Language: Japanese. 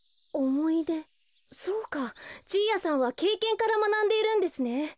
そうかじいやさんはけいけんからまなんでいるんですね。